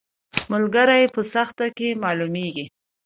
ملګری په سخته کې معلومیږي